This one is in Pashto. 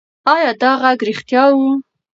ایا دا غږ رښتیا و؟